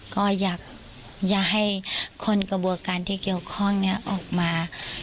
ก็อยากให้คนกระบวนการที่เกี่ยวข้องนี้ออกมา